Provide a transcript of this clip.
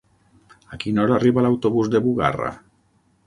A quina hora arriba l'autobús de Bugarra?